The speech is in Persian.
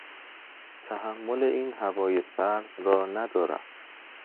تحمل این هوای سرد را ندارم.